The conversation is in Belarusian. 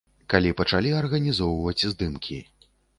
Калі пачалі арганізоўваць здымкі.